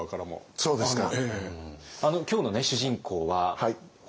そうですね。